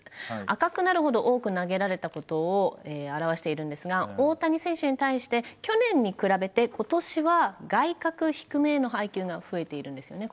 赤くなるほど多く投げられたことを表しているんですが大谷選手に対して去年に比べて今年は外角低めへの配球が増えているんですよね